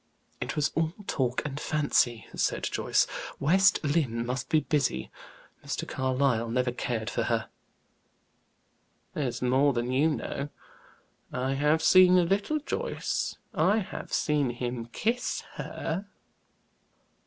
"It was all talk and fancy," said Joyce. "West Lynne must be busy. Mr. Carlyle never cared for her." "That's more than you know. I have seen a little, Joyce; I have seen him kiss her."